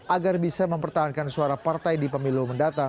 agar bisa mempertahankan suara partai di pemilu mendatang